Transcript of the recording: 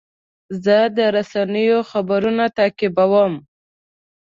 زه د رسنیو خبرونه تعقیبوم.